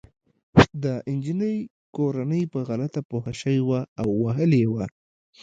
د انجلۍ کورنۍ په غلطه پوه شوې وه او وهلې يې وه